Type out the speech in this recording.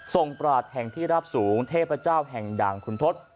ทรงประหลาดแห่งที่รับสูงเทพเจ้าแห่งดังคุณทศ